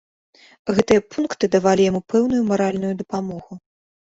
Гэтыя пункты давалі яму пэўную маральную дапамогу.